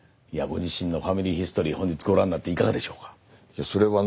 ご自身の「ファミリーヒストリー」本日ご覧になっていががでしょうか？